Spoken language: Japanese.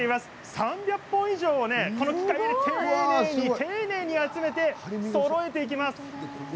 ３００本以上を、この機械に丁寧に集めてそろえていきます。